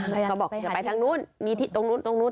เขาบอกอย่าไปทางนู้นมีที่ตรงนู้นตรงนู้น